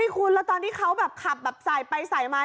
คุณแล้วตอนที่เขาขับใส่ไปใส่มา